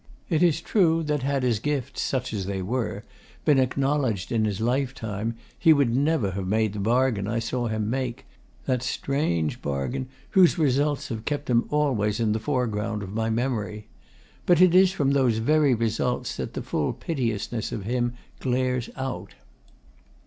It is true that had his gifts, such as they were, been acknowledged in his life time, he would never have made the bargain I saw him make that strange bargain whose results have kept him always in the foreground of my memory. But it is from those very results that the full piteousness of him glares out.